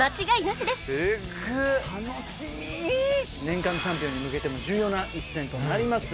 年間チャンピオンに向けても重要な一戦となります。